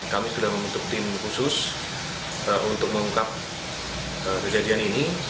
kami sudah membentuk tim khusus untuk mengungkap kejadian ini